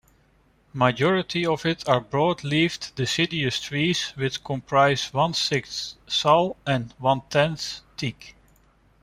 Majority of it are broad-leaved deciduous trees which comprise one-sixth "sal" and one-tenth teak.